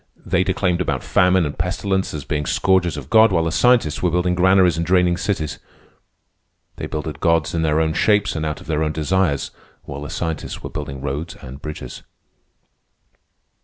They declaimed about famine and pestilence as being scourges of God, while the scientists were building granaries and draining cities. They builded gods in their own shapes and out of their own desires, while the scientists were building roads and bridges.